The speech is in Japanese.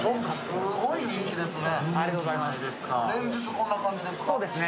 すごい人気ですね。